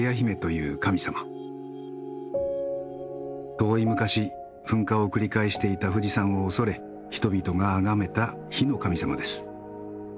遠い昔噴火を繰り返していた富士山を恐れ人々があがめた火の神様です。